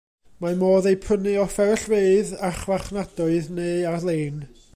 Mae modd eu prynu o fferyllfeydd, archfarchnadoedd neu ar-lein.